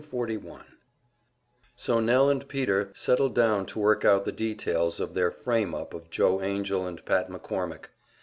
Section 41 So Nell and Peter settled down to work out the details of their "frame up" on Joe Angell and Pat McCormick.